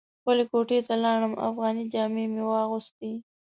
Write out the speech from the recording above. خپلې کوټې ته لاړم افغاني جامې مې واغوستې.